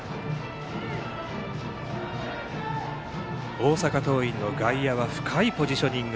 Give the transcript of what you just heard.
大阪桐蔭の外野は深いポジショニング。